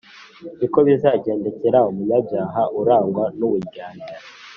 ni ko bizagendekera umunyabyaha urangwa n’uburyarya